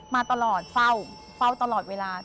มาตลอดเฝ้าตลอดเวลา